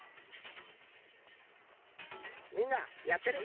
みんなやってる？